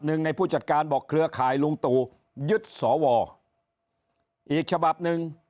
หนึ่งในผู้จัดการบอกเครือข่ายลุงตู่ยึดสอวออีกฉบับหนึ่ง